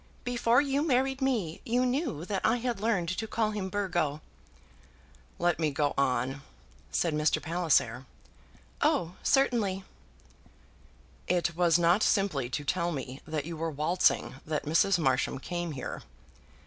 Before you married me you knew that I had learned to call him Burgo." "Let me go on," said Mr. Palliser. "Oh, certainly." "It was not simply to tell me that you were waltzing that Mrs. Marsham came here."